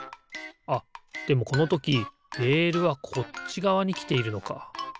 あっでもこのときレールはこっちがわにきているのか。